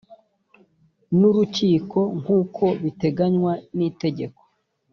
n urukiko nk uko bitenganywa n itegeko